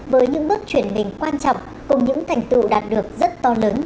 với những bước chuyển mình quan trọng cùng những thành tựu đạt được rất to lớn